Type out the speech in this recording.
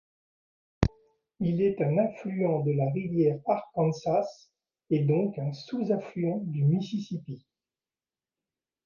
Il est un affluent de la rivière Arkansas et donc un sous-affluent du Mississippi.